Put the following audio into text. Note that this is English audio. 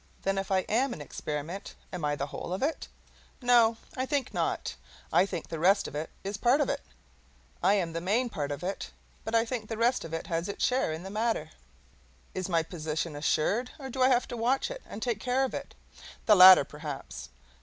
Then if I am an experiment, am I the whole of it? No, I think not; I think the rest of it is part of it. I am the main part of it, but I think the rest of it has its share in the matter. Is my position assured, or do I have to watch it and take care of it? The latter, perhaps.